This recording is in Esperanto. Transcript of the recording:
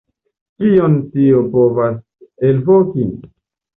Kion tio povas elvoki?